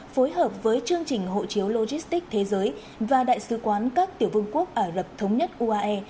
phối hợp với chương trình hộ chiếu logistics thế giới và đại sứ quán các tiểu vương quốc ả rập thống nhất uae